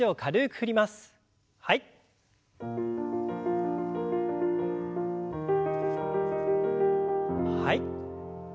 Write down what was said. はい。